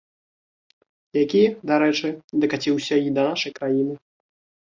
Які, дарэчы, дакаціўся і да нашай краіны.